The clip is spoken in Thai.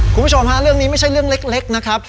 คุณผู้ชมฮะเรื่องนี้ไม่ใช่เรื่องเล็กนะครับ